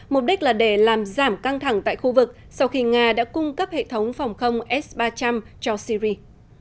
mục đích là để làm giảm căng thẳng tại khu vực sau khi nga đã cung cấp hệ thống phòng không s ba trăm linh cho syri